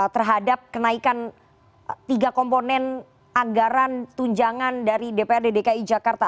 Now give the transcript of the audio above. terhadap kenaikan tiga komponen anggaran tunjangan dari dprd dki jakarta